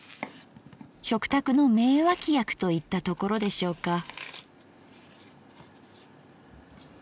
食卓の名脇役といったところでしょうか。